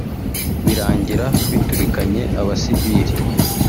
birangira biturikanye abasivili